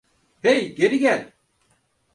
Hey, geri gel!